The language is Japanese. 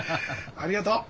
ありがとう。